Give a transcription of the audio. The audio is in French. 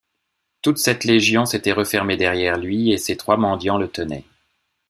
Toute cette légion s’était refermée derrière lui, et ses trois mendiants le tenaient.